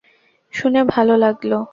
শুনে ভালো লাগলো।